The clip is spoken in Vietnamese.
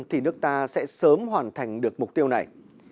thì nước ta sẽ sớm hoàn thành được mục tiêu này